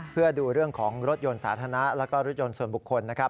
เพื่อดูเรื่องของรถยนต์สาธารณะแล้วก็รถยนต์ส่วนบุคคลนะครับ